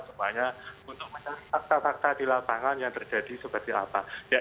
semuanya untuk mencari fakta fakta di lapangan yang terjadi seperti apa